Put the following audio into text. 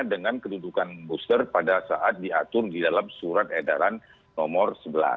dengan kedudukan booster pada saat diatur di dalam surat edaran nomor sebelas